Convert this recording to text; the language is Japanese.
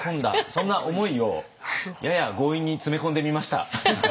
そんな思いをやや強引に詰め込んでみました。